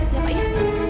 ya pak ya